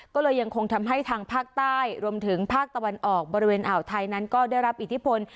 ก็เลยยังคงทำให้ทางภาคใต้รวมถึงภาคตะวันออกบริเวณอ่าวไทยนั้นก็ได้รับอิทธิพล